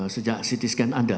sejak ct scan ada